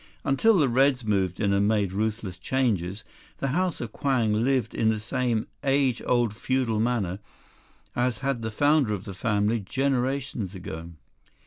"Until the Reds moved in and made ruthless changes, the House of Kwang lived in the same age old feudal manner as had the founder of the family generations ago.